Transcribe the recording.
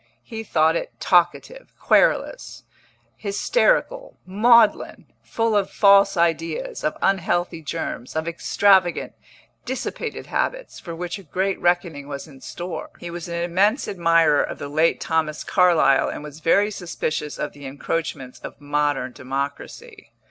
He thought it talkative, querulous, hysterical, maudlin, full of false ideas, of unhealthy germs, of extravagant, dissipated habits, for which a great reckoning was in store. He was an immense admirer of the late Thomas Carlyle, and was very suspicious of the encroachments of modern democracy.